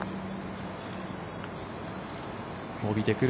伸びてくる。